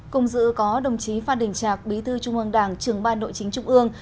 cùng dự có đồng chí phan đình trạc bí thư trung ương đảng trường ban nội chính trung ương